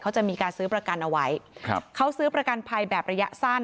เขาจะมีการซื้อประกันเอาไว้ครับเขาซื้อประกันภัยแบบระยะสั้น